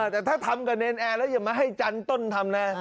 แต่ถ้าทำกับเนรนแอร์แล้วอย่ามาให้จันต้นทำนะ